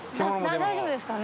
大丈夫ですかね？